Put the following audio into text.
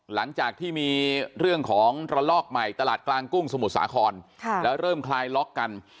หลังจากที่มีเรื่องของระลอกใหม่ตลาดกลางกุ้งสมุทรสาครแล้วเริ่มคลายล็อกกัน